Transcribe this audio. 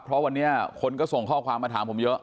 เพราะวันนี้คนก็ส่งข้อความมาถามผมเยอะ